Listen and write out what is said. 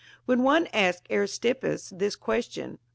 When one asked Aristippus this question.